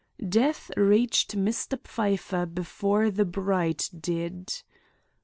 Death reached Mr. Pfeiffer before the bride did. 5.